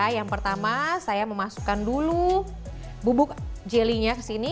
yang pertama saya memasukkan dulu bubuk jelinya ke sini